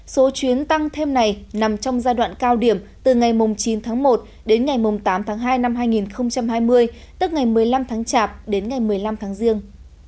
số chuyến tăng thêm này nằm trong giai đoạn cao điểm từ ngày chín tháng một đến ngày tám tháng hai năm hai nghìn hai mươi tức ngày một mươi năm tháng chạp đến ngày một mươi năm tháng riêng